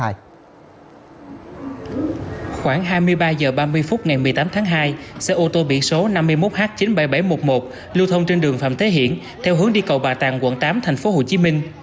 hôm một mươi tám tháng hai xe ô tô biển số năm mươi một h chín mươi bảy nghìn bảy trăm một mươi một lưu thông trên đường phạm thế hiển theo hướng đi cầu bà tàng quận tám thành phố hồ chí minh